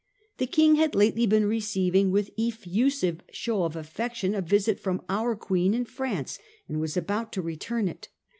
The King had lately been receiving with effusive show of af fection a visit from our Queen in France, and was about to return it.